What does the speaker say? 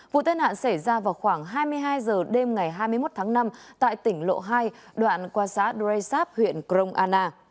vụ tai nạn xảy ra vào khoảng hai mươi hai h đêm ngày hai mươi một tháng năm tại tỉnh lộ hai đoạn qua xá dresap huyện krong anna